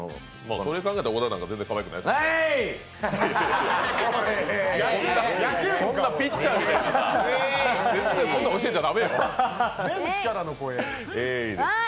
それ考えたら、小田さんなんか全然かわいくないですもんね。